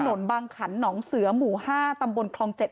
ถนนบางขันหนองเสือหมู่ห้าตำบลครองเจ็ด